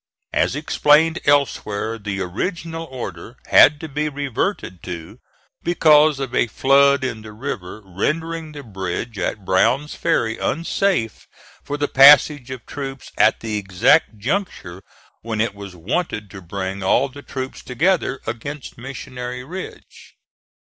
As explained elsewhere, the original order had to be reverted to, because of a flood in the river rendering the bridge at Brown's Ferry unsafe for the passage of troops at the exact juncture when it was wanted to bring all the troops together against Missionary Ridge.